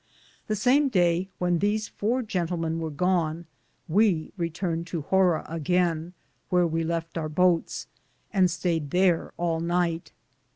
The same Daye, when these 4 jentlmen weare gone, we returnede to Hora againe, wheare we lefte our boates, and stayed thare alnyghte.